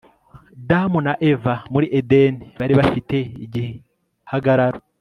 damu na Eva muri Edeni bari bafite igihagararo